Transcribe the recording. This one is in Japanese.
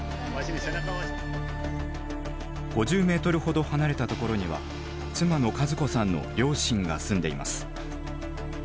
５０ｍほど離れたところには妻の和子さんの両親が住んでいます。